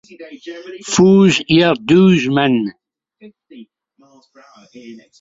How much is your voice worth?